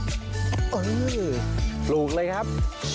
ปลูกเลยครับ